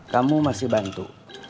kamu masih bantu